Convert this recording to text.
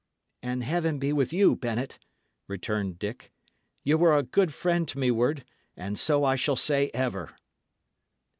"And Heaven be with you, Bennet!" returned Dick. "Ye were a good friend to me ward, and so I shall say ever."